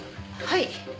はい。